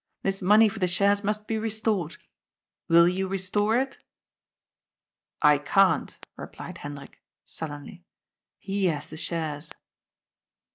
This money for the shares must be restored. Will you restore it? "" I can't," replied Hendrik sullenly. " He has the shares."